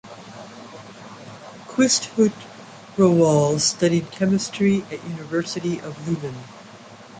Quisthoudt-Rowohl studied Chemistry at University of Leuven.